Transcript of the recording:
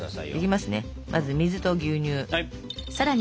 まず水と牛乳。